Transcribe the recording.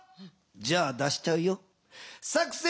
じゃあ出しちゃうよ。